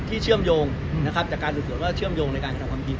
เชื่อมโยงนะครับจากการสืบสวนว่าเชื่อมโยงในการกระทำความผิด